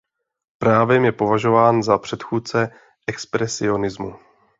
Právem je považován za předchůdce expresionismu.